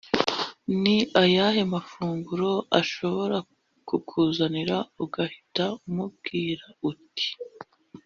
ni ayahe mafunguro ashobora kukuzanira ugahita umubwira uti